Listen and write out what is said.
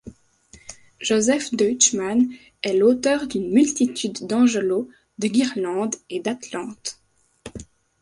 Joseph Deutschmann est l'auteur d'une multitude d'angelots, de guirlandes et d'atlantes.